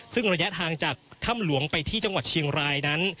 ซึ่งระยะทางจากถ้ำหลวงไปที่จังหวัดเชียงรายนั้น